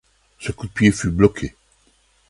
Ce coup de pied fut bloqué.